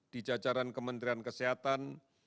di jajaran kementerian kesehatan